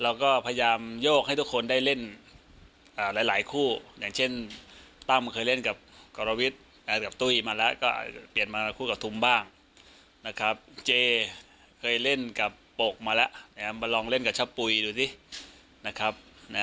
ว่าทุกคนจะยกร่วมหลายจุดนะครับ